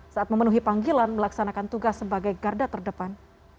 saat memenuhi panggilan melaksanakan tugas sebagai garda terdepan